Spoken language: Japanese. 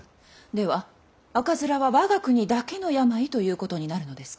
では赤面は我が国だけの病ということになるのですか？